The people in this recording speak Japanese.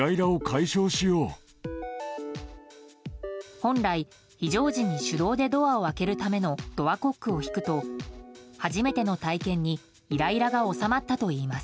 本来、非常時に手動でドアを開けるためのドアコックを引くと初めての体験にイライラが収まったといいます。